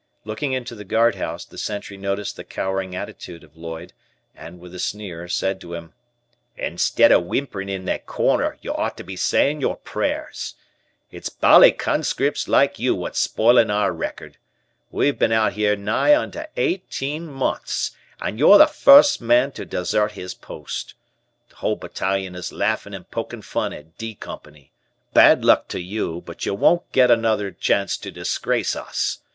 Looking into the guardhouse, the sentry noticed the cowering attitude of Lloyd, and, with a sneer, said to him: "Instead of whimpering in that corner, you ought to be saying your prayers. It's bally conscripts like you what's spoilin' our record. We've been out here nigh onto eighteen months, and you're the first man to desert his post. The whole Battalion is laughin' and pokin' fun at 'D' Company, bad luck to you I bet you won't get another chance to disgrace us.